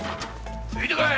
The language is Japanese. ついてこい！